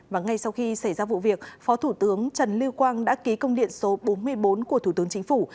và ngay sau khi xảy ra vụ việc phó thủ tướng trần lưu quang đã ký công điện số bốn mươi bốn của thủ tướng chính phủ